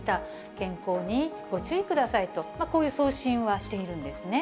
健康にご注意くださいと、こういう送信はしているんですね。